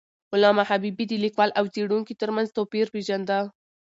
علامه حبيبي د لیکوال او څیړونکي تر منځ توپیر پېژنده.